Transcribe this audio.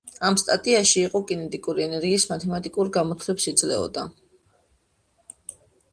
ამ სტატიაში იგი კინეტიკური ენერგიის მათემატიკურ გამოთვლებს იძლეოდა.